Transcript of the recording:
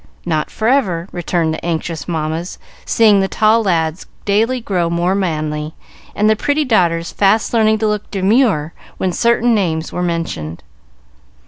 "Not forever," returned the anxious mammas, seeing the tall lads daily grow more manly, and the pretty daughters fast learning to look demure when certain names were mentioned.